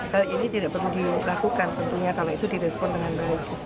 hal ini tidak perlu dilakukan tentunya kalau itu direspon dengan baik